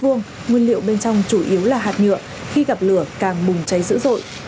nguyên liệu bên trong chủ yếu là hạt nhựa khi gặp lửa càng bùng cháy dữ dội